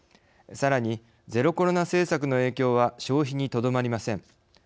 さらに、ゼロコロナ政策の影響は消費にとどまりません。